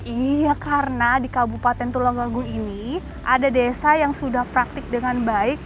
iya karena di kabupaten tulungagung ini ada desa yang sudah praktik dengan baik